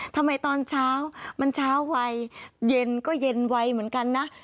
ทำไมตอนเช้ามันเช้าไวเย็นก็เย็นไวเหมือนกันนะ